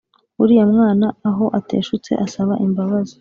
uriya mwana aho ateshutse asaba imbabazi